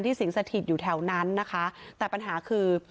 สิงสถิตอยู่แถวนั้นนะคะแต่ปัญหาคือ